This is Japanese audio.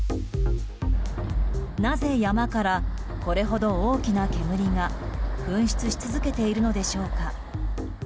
なぜ山から、これほど大きな煙が噴出し続けているのでしょうか。